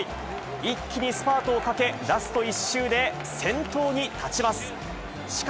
一気にスパートをかけ、ラスト１周で先頭に立ちます。